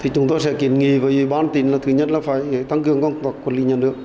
chúng tôi sẽ kiến nghị với ủy ban tỉnh là thứ nhất là phải tăng cường công tác quản lý nhà nước